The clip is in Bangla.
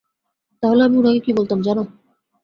তাহলে আমি উনাকে কী বলতাম, জান?